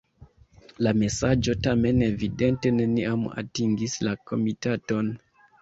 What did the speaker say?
La mesaĝo tamen evidente neniam atingis la komitaton.